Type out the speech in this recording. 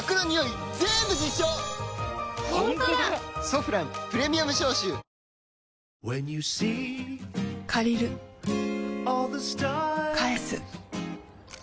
「ソフランプレミアム消臭」借りる返す